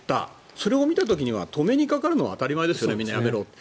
それを見た時には止めにかかるのは当たり前ですよね、やめろって。